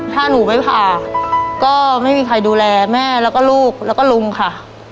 ถ้าหนูไม่ผ่าก็ไม่มีใครดูแลแม่แล้วก็ลูกแล้วก็ลุงค่ะ